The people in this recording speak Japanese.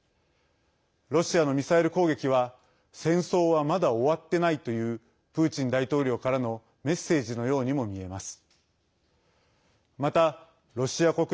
ロシアのミサイル攻撃は戦争はまだ終わってないというプーチン大統領からのメッセージのようにも見えます。